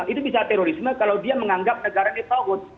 itu bisa terorisme kalau dia menganggap negara ini taut